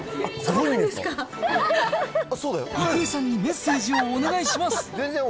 郁恵さんにメッセージをお願いします。